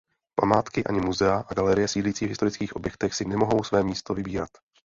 Památky ani muzea a galerie sídlící v historických objektech si nemohou své místo vybírat.